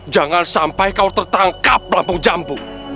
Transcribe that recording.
jangan sampai kau tertangkap lampung jambu